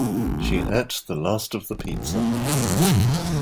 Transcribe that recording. She ate the last of the pizza